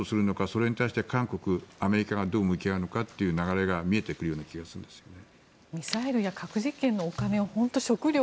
それに対して韓国、アメリカがどう向き合うのかっていう流れが見えてくるような気がするんですよね。